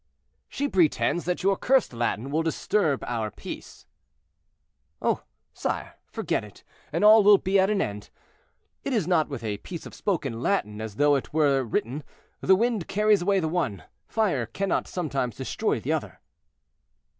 "She pretends that your cursed Latin will disturb our peace." "Oh! sire, forget it, and all will be at an end. It is not with a piece of spoken Latin as though it were written; the wind carries away the one, fire cannot sometimes destroy the other."